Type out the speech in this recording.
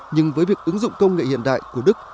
nhưng với việc ứng dụng công nghệ hiện đại của đức